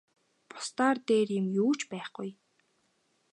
Бусдаар дээр юм юу ч байхгүй.